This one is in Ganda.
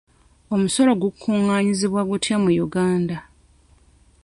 Omusolo gukungaanyizibwa gutya mu Uganda?